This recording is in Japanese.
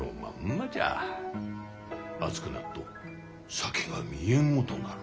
熱くなっと先が見えんごとなる。